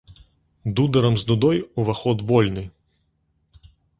Дударам з дудой уваход вольны!